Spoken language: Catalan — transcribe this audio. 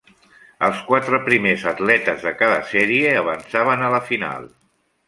Els quatre primers atletes de cada sèrie avançaven a la final.